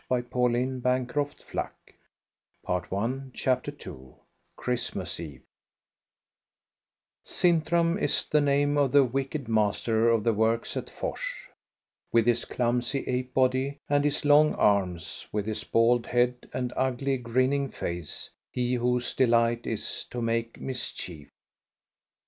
I 34 THE STORY OF GOSTA BE RUNG CHAPTER II CHRISTMAS EVE SiNTRAM is the name of the wicked master of the works at Fors, with his clumsy ape body, and his long arms, with his bald head and ugly, grinning face, — he whose delight is to make mischief.